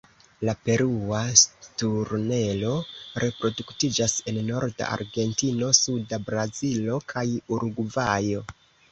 La Perua sturnelo reproduktiĝas en norda Argentino, suda Brazilo, kaj Urugvajo.